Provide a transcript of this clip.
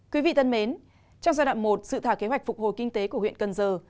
quý vị thân mến trong giai đoạn một dự thảo kế hoạch phục hồi kinh tế của huyện cần giờ